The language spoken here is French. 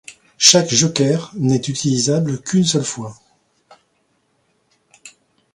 Chaque joker n'est utilisable qu'une seule fois.